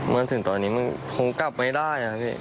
มาถึงตอนนี้ผมกลับไม่ได้